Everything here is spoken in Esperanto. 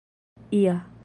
ia